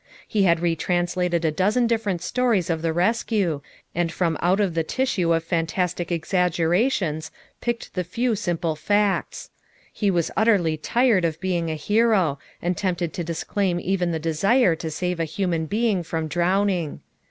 He had re translated a dozen different stories of the rescue, and from out the tissue of fantastic ex aggerations picked the few simple facts; he was utterly tired of being a hero and tempted to disclaim even the desire to save a human being from drowning.